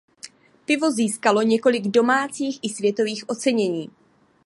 Pivo získalo několik domácích i světových ocenění.